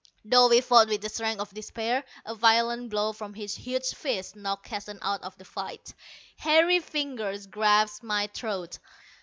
Though we fought with the strength of despair, a violent blow from his huge fist knocked Keston out of the fight. Hairy fingers grasped my throat.